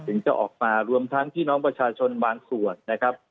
ถึงจะออกมารวมทั้งพี่น้องประชาชนบางส่วนนะครับ